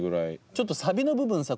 ちょっとサビの部分さ